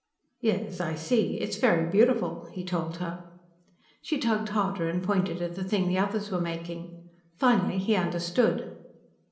"Yes, I see. It's very beautiful," he told her. She tugged harder and pointed at the thing the others were making. Finally, he understood.